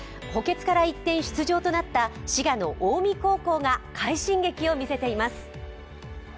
補欠から一転、出場となった滋賀の近江高校が快進撃を見せています。